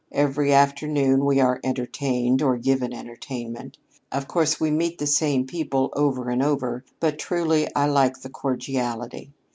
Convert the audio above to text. Every afternoon we are 'entertained' or give an entertainment. Of course we meet the same people over and over, but truly I like the cordiality.